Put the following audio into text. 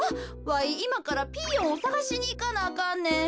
わいいまからピーヨンをさがしにいかなあかんねん。